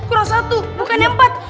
kurang satu bukannya empat